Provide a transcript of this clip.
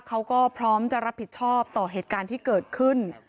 เขาก็พร้อมจะรับผิดชอบต่อเหตุการณ์ที่เกิดขึ้น